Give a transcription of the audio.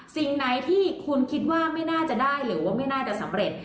สิ่งไหนที่คุณคิดว่าไม่น่าจะได้หรือว่าไม่น่าจะสำเร็จ